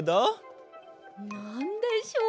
なんでしょう？